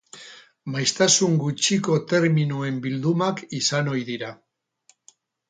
Maiztasun gutxiko terminoen bildumak izan ohi dira.